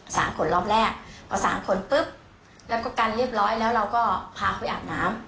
ขนรอบแรกพอสารขนปุ๊บแล้วก็กันเรียบร้อยแล้วเราก็พาเขาอาบน้ำ